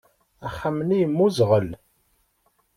Axxam-nni yemmuẓɣel.